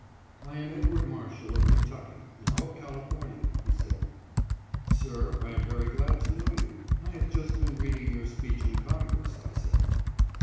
" I am Edward Marshall of Kentucky, now of California," he said. " Sir, I am very glad to know you ; I have just been reading 554 EDWARD MARSHALL OF KENTUCKY. your speech in Congress," I said.